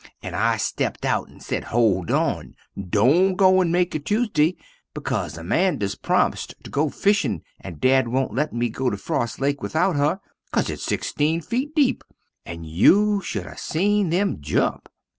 And I stept out and sed, Hold on, dont go and make it Tuesday becaus Amandas promist to go fishin and dad wont let me go to Frost Lake without her, caus its 16 feet deep, and you should have seen them jump.